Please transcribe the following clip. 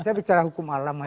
saya bicara hukum alam aja